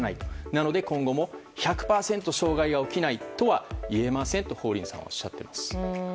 なので、今後も１００％障害が起きないとは言えませんと法林さんはおっしゃっています。